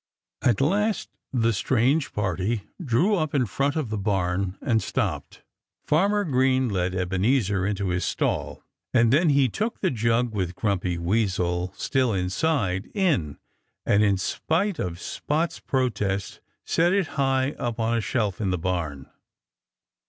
At last the strange party drew up in front of the barn and stopped. Farmer Green led Ebenezer into his stall. And then he took the jug, with Grumpy Weasel still inside in, and in spite of Spot's protests set it high up on a shelf in the barn.